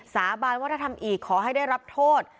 สาบานวัฒนธรรมอีกขอให้ได้รับโทษ